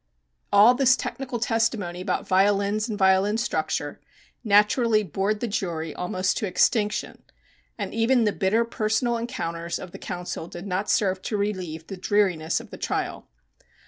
All this technical testimony about violins and violin structure naturally bored the jury almost to extinction, and even the bitter personal encounters of counsel did not serve to relieve the dreariness of the trial.